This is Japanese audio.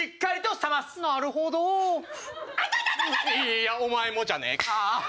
いやお前もじゃねえか！